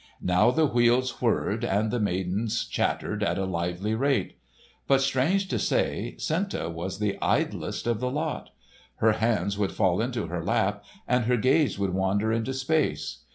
Now the wheels whirred and the maidens chattered at a lively rate. But strange to say, Senta was the idlest of the lot. Her hands would fall into her lap, and her gaze would wander into space.